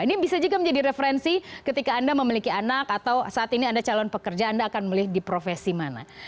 ini bisa juga menjadi referensi ketika anda memiliki anak atau saat ini anda calon pekerja anda akan memilih di profesi mana